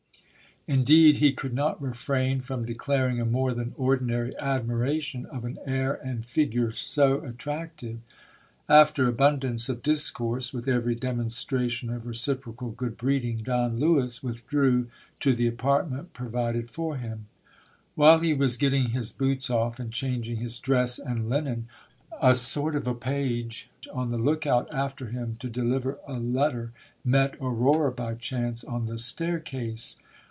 Indeed he could not refrain from declaring a more than ordinary admiration of an air and figure DON LE WIS IS DECEIVED BY A URORA. so attractive. After abundance of discourse, with every demonstration of re ciprocal good breeding, Don Lewis withdrew to the apartment provided for him. While he was getting his boots off, and changing his dress and linen, a sort of a page, on the look out after him to deliver a letter, met Aurora by chance on the staircase.